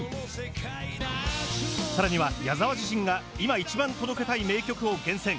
更には矢沢自身が今一番届けたい名曲を厳選！